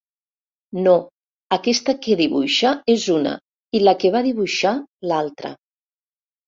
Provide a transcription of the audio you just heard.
No, aquesta que dibuixa és una i la que va dibuixar, l'altra.